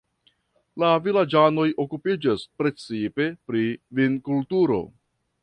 La vilaĝanoj okupiĝas precipe pri vinkulturo.